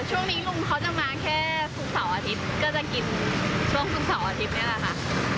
ช่วงนี้ลุงเขาจะมาแค่ทุกเสาร์อาทิตย์ก็จะกินช่วงทุกเสาร์อาทิตย์นี่แหละค่ะ